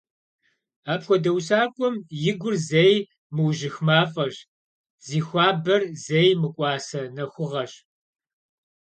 Апхуэдэ усакӀуэм и гур зэи мыужьых мафӀэщ, зи хуабэр зэи мыкӀуасэ нэхугъэщ.